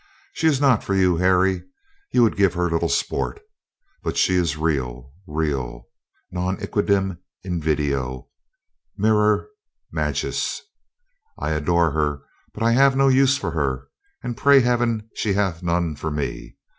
She is not for you, Harry. You would give her little sport. But she is real — real. Non equidem iiivideo. Miror magis. I adore her, but I have no use for her, and pray Heaven she hath none for me.